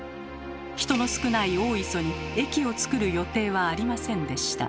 人の少ない大磯に駅を造る予定はありませんでした。